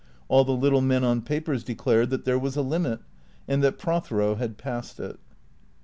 All the little men on papers declared that there was a limit, and that Prothero had passed it.